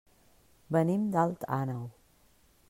Venim d'Alt Àneu.